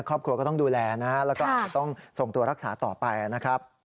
ครอบครัวก็ต้องดูแลนะแล้วก็อาจจะต้องส่งตัวรักษาต่อไปนะครับ